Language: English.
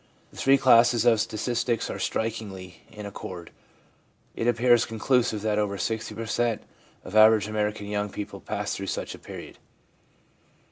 The three classes of statistics are strikingly in accord. It appears conclusive that over 60 per cent, of average American young people pass through such a period.